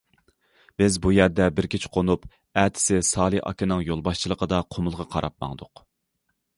بىز بۇ يەردە بىر كېچە قونۇپ، ئەتىسى سالى ئاكىنىڭ يولباشچىلىقىدا قۇمۇلغا قاراپ ماڭدۇق.